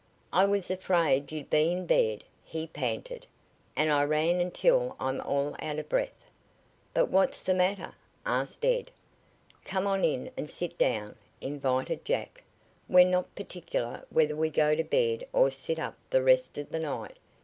"I was afraid you'd be in bed," he panted, "and I ran until I'm all out of breath." "But what's the matter?" asked Ed. "Come on in and sit down," invited Jack. "We're not particular whether we go to bed or sit up the rest of the night.